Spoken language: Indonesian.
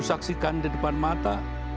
saksikan di depan mata